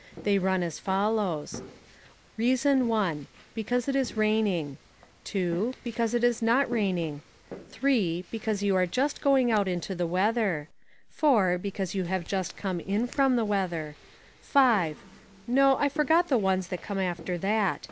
They run as follows: Reason one, because it is raining; Two, because it is not raining; Three, because you are just going out into the weather; Four, because you have just come in from the weather; Five; no, I forget the ones that come after that.